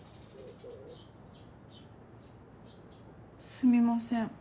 ・すみません。